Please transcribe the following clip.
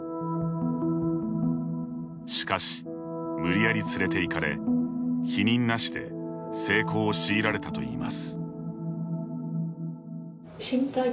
しかし、無理やり連れて行かれ避妊なしで性交を強いられたといいます。